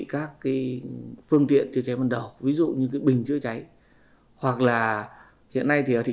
các cái phương tiện chữa cháy vần đầu ví dụ như cái bình chữa cháy hoặc là hiện nay thì ở thị